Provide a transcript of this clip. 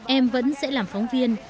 em vẫn sẽ làm phóng viên